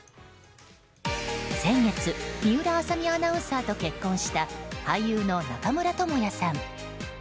先月、水卜麻美アナウンサーと結婚した俳優の中村倫也さん。